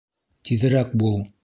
Тиҙерәк бул!